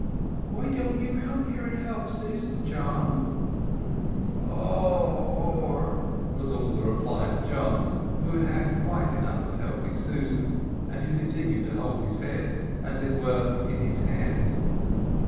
"Why don't you come here and help Susan, John?" cried Mary. "Aw yaw aw!" was all the reply of John, who had had quite enough of helping Susan, and who continued to hold his head, as it were, in his hand.